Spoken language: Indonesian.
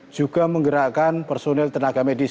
juga menggerakkan personil tenaga medis